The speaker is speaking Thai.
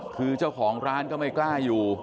คือเจ้าของร้านก็ไม่กล้าอยู่